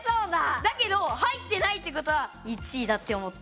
だけど入ってないってことは１位だって思って。